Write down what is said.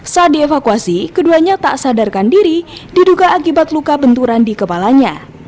saat dievakuasi keduanya tak sadarkan diri diduga akibat luka benturan di kepalanya